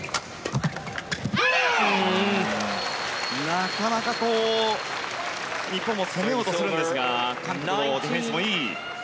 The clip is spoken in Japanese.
なかなか日本も攻めようとするんですが韓国のディフェンスもいい。